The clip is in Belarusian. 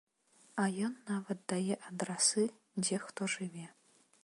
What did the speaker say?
А ён нават дае адрасы, дзе хто жыве.